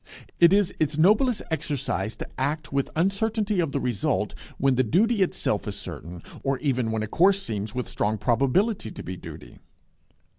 It is its noblest exercise to act with uncertainty of the result, when the duty itself is certain, or even when a course seems with strong probability to be duty.